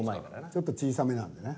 ちょっと小さめなんでね。